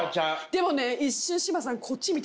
でもね。